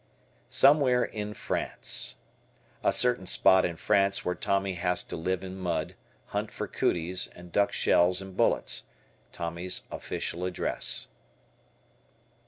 "Somewhere in France." A certain spot in France where Tommy has to live in mud, hunt for "cooties," and duck shells and bullets. Tommy's official address.